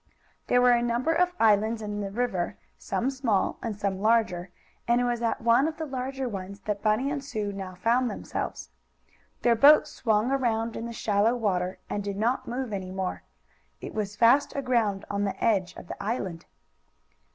There were a number of islands in the river, some small and some larger, and it was at one of the larger ones that Bunny and Sue now found themselves. Their boat swung around in the shallow water, and did not move any more. It was fast aground on the edge of the island.